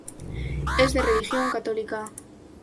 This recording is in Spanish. Es de religión católica.